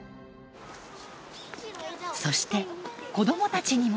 そして子どもたちにも。